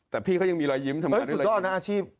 แต่พี่เขายังมีรอยยิ้มทำการให้รอยยิ้มโอ้โฮสุดยอดหน้าอาชีพ